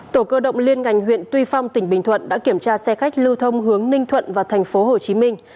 tổ cơ động liên ngành huyện tuy phong tỉnh bình thuận đã kiểm tra xe khách lưu thông hướng ninh thuận và thành phố hồ chí minh